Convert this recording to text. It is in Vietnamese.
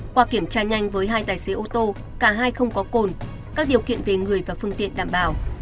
qua kiểm tra nhanh với hai tài xế ô tô cả hai không có cồn các điều kiện về người và phương tiện đảm bảo